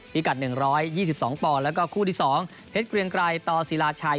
ที่กัด๑๒๒ปแล้วก็คู่ที่๒เฮ็ดเกรียงไกรตศิราชัย